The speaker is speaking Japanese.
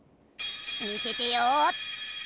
見ててよ！